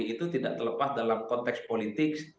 itu tidak terlepas dalam konteks politik